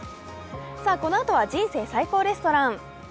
さあ、このあとは「人生最高レストラン」。